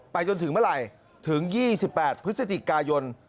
จนถึงเมื่อไหร่ถึง๒๘พฤศจิกายน